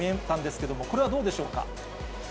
けれどもこれはどうでしょうか？